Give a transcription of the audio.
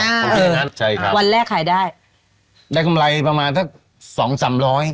ผมเชื่อนะใช่ครับวันแรกขายได้ได้กำไรประมาณสักสองสามร้อย